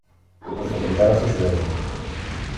Ur txeddmeḍ ara tuccḍiwin.